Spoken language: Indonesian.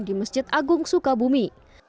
di masjid agung sukabumi